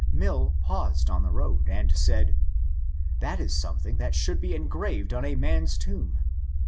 Mill paused on the road and said, ^^ That is something that should be engraved on a man's tomb."